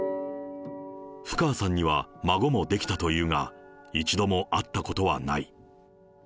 布川さんには孫もできたというが、一度も会ったことはない。